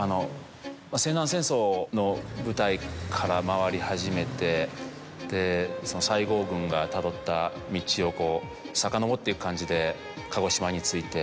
西南戦争の舞台から回り始めてで西郷軍がたどった道をさかのぼっていく感じで鹿児島に着いて。